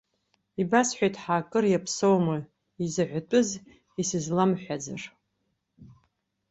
Ибасҳәеит ҳәа акыр иаԥсоума, изаҳәатәыз исызламҳәазар.